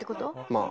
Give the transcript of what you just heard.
まあ。